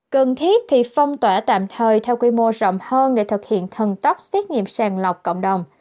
cần thiết thì phong tỏa tạm thời theo quy mô rộng hơn để thực hiện thần tốc xét nghiệm sàng lọc cộng đồng